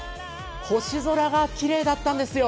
星空がきれいだったんですよ。